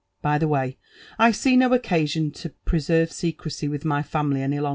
By the way, I tee nopcea r •ion to preserve secrecy with my family any.